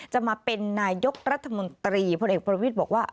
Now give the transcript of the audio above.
จะมาเป็นนายกรัฐมนตรีพลเอกประวิทย์บอกว่า